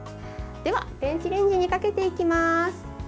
では、電子レンジにかけていきます。